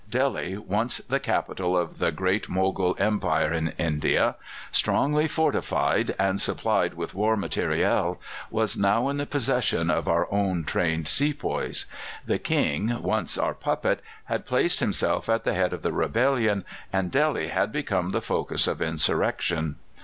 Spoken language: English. Delhi, once the capital of the great Mogul Empire in India, strongly fortified, and supplied with war material, was now in the possession of our own trained sepoys. The King, once our puppet, had placed himself at the head of the rebellion, and Delhi had become the focus of insurrection.